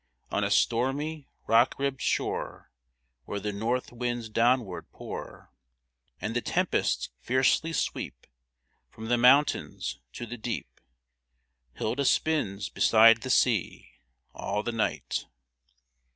On a stormy, rock ribbed shore, Where the north winds downward pour, And the tempests fiercely sweep From the mountains to the deep, Hilda spins beside the sea. All the night